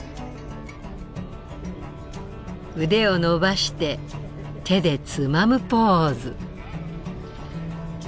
腕を伸ばして手でつまむポーズ。